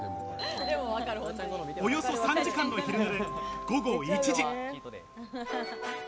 およそ３時間の昼寝で午後１時。